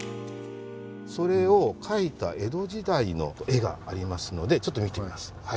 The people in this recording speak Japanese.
それを描いた江戸時代の絵がありますのでちょっと見てみます。